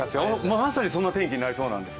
まさにそんな天気になりそうなんです。